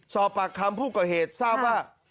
สอบปากคำผู้ก่อเหตุทราบว่า